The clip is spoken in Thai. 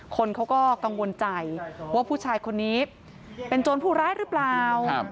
คนเขาก็กังวลใจว่าผู้ชายคนนี้เป็นโจรผู้ร้ายหรือเปล่า